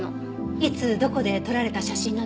いつどこで撮られた写真なの？